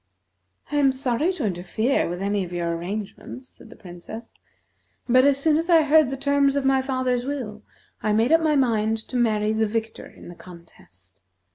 "I am sorry to interfere with any of your arrangements," said the Princess, "but as soon as I heard the terms of my father's will, I made up my mind to marry the victor in the contest.